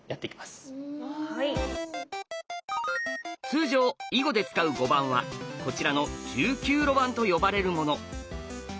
通常囲碁で使う碁盤はこちらの１９路盤と呼ばれるもの。